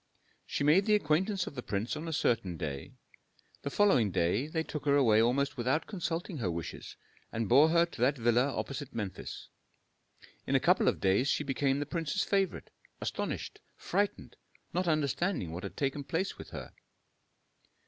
She made the acquaintance of the prince on a certain day; the following day they took her away almost without consulting her wishes, and bore her to that villa opposite Memphis. In a couple of days she became the prince's favorite, astonished, frightened, not understanding what had taken place with her.